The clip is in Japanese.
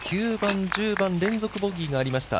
９番、１０番、連続ボギーがありました。